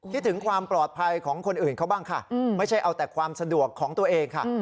คิดถึงความปลอดภัยของคนอื่นเขาบ้างค่ะไม่ใช่เอาแต่ความสะดวกของตัวเองค่ะ